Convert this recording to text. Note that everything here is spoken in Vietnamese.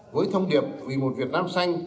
với thông điệp vì một việt nam xanh